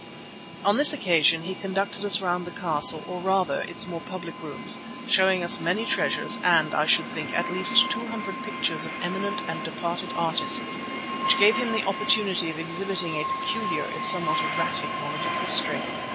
On this occasion he conducted us round the castle, or, rather, its more public rooms, showing us many treasures and, I should think, at least two hundred pictures by eminent and departed artists, which gave him an opportunity of exhibiting a peculiar, if somewhat erratic, knowledge of history.